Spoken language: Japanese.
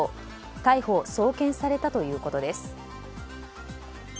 逮捕・送検されたということです。